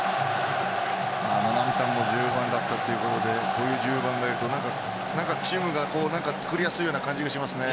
名波さんも１０番だったということでこういう１０番がいるとチームが作りやすいような感じがしますね。